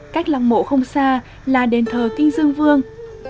cách lăng mộ không xa là đền thờ kinh dương vương